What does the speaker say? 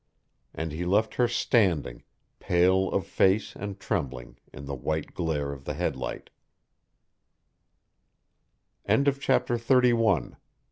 And he left her standing, pale of face and trembling, in the white glare of the headlight.